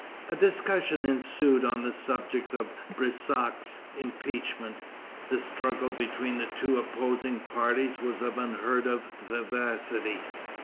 A discussion ensued on the subject of Brissac's impeachment. The struggle between the two opposing parties was of unheard of vivacity.